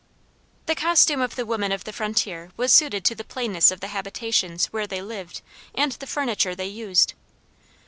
The costume of the women of the frontier was suited to the plainness of the habitations where they lived and the furniture they used.